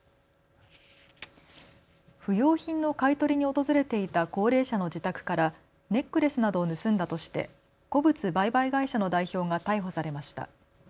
不用品の買い取りに訪れていた高齢者の自宅からネックレスなどを盗んだとして古物売買会社の代表が逮捕されました。